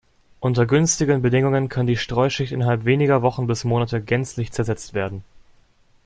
Unter günstigen Bedingungen kann die Streuschicht innerhalb weniger Wochen bis Monate gänzlich zersetzt werden.